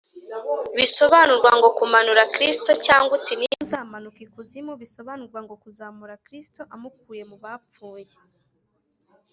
” (Bisobanurwa ngo: kumanura Kristo). Cyangwa uti, ‘Ni nde uzamanuka ikuzimu?” ( Bisobanurwa ngo: kuzamura Kristo amukuye mu bapfuye).